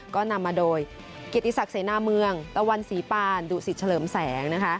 ก็นำมาโดยเกียรติศักดิ์เสนาเมืองตะวันศรีปานดุสิตเฉลิมแสงนะคะ